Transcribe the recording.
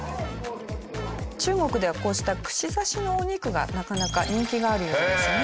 中国ではこうした串刺しのお肉がなかなか人気があるようなんですね。